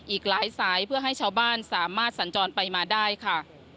อีกหลายสายเพื่อให้ชาวบ้านสามารถสัญจรไปมาได้ค่ะ